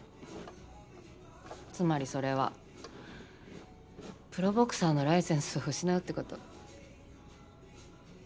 つまりそれはプロボクサーのライセンスを失うってこと。